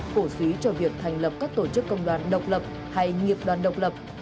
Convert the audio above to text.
cổ suý cho việc thành lập các tổ chức công đoàn độc lập hay nghiệp đoàn độc lập